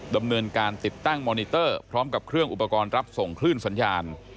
ดำเนินการติดตั้งมอนิเตอร์พร้อมกับเครื่องอุปกรณ์รับส่งคลื่นสัญญาณ